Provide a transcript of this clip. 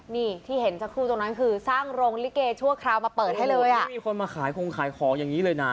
นี่ที่เห็นสักครู่ตรงนั้นคือสร้างโรงลิเกชั่วคราวมาเปิดให้เลยอ่ะมีคนมาขายคงขายของอย่างนี้เลยนะ